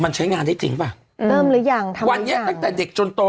มันใช้งานได้จริงป่ะเริ่มหรือยังค่ะวันนี้ตั้งแต่เด็กจนโต